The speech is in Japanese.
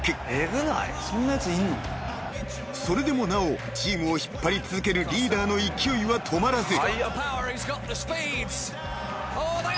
［それでもなおチームを引っ張り続けるリーダーの勢いは止まらず］